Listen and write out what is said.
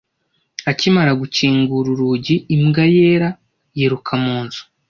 Akimara gukingura urugi, imbwa yera yiruka mu nzu.